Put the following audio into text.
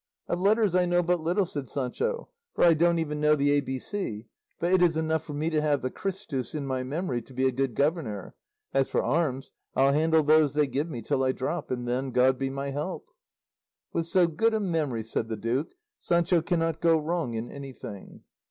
"Of letters I know but little," said Sancho, "for I don't even know the A B C; but it is enough for me to have the Christus in my memory to be a good governor. As for arms, I'll handle those they give me till I drop, and then, God be my help!" "With so good a memory," said the duke, "Sancho cannot go wrong in anything."